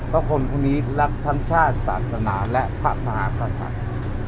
เพราะคนพวกนี้รักทั้งชาติศาสนาและพระมหากษัตริย์